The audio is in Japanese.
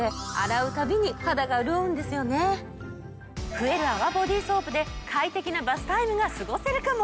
増える泡ボディソープで快適なバスタイムが過ごせるかも！